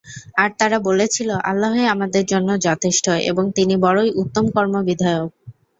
আর তারা বলেছিল, আল্লাহই আমাদের জন্যে যথেষ্ট এবং তিনি বড়ই উত্তম কর্ম-বিধায়ক।